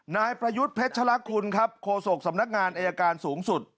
นายประยุทธ์เพชรคุณครับโคศกสำนักงานอายการสูงสุด